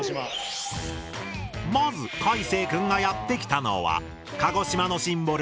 まずかいせい君がやって来たのは鹿児島のシンボル